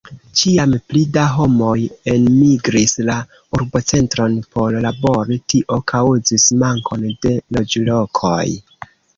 Ĉiam pli da homoj enmigris la urbocentron por labori; tio kaŭzis mankon de loĝlokoj.